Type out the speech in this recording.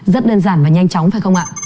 rất đơn giản và nhanh chóng phải không ạ